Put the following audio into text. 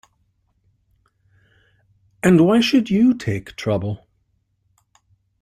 And why should you take trouble?